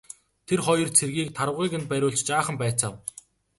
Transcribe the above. Тэр хоёр цэргийг тарвагыг нь бариулж жаахан байцаав.